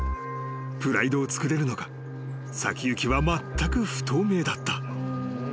［プライドをつくれるのか先行きはまったく不透明だった］